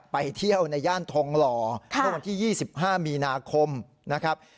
ไปเที่ยวในย่านทองหล่อเมื่อวันที่๒๕มีนาคมนะครับ